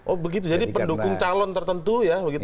oh begitu jadi pendukung calon tertentu ya